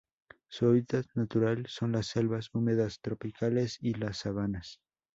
Su hábitat natural son las selvas húmedas tropicales y las sabanas.